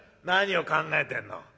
何を考えてんの。